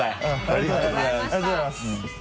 ありがとうございます。